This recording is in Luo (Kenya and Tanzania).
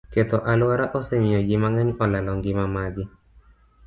Ketho alwora osemiyo ji mang'eny olalo ngimagi.